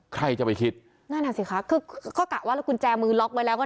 ใครจะไปคิดแน่นอนสิค่ะคือก็แต่ว่ากุญแจมือล็อคไว้แล้วก็